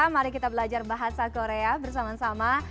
mari kita belajar bahasa korea bersama sama